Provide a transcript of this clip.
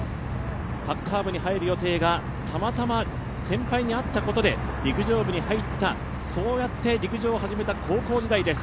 サッカー部に入る予定がたまたま先輩に会ったことで陸上部に入った、そうやって陸上を始めた高校時代です。